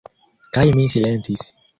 Kaj mi silentis.